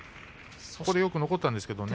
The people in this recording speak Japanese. よく残ったんですけどね。